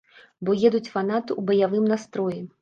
Бо едуць фанаты ў баявым настроі.